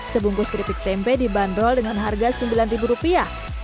sebungkus keripik tempe dibanderol dengan harga sembilan ribu rupiah